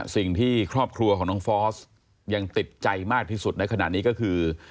สิ่งที่ครอบครัวของน้องฟอสยังติดใจมากที่สุดในขณะนี้ก็คือ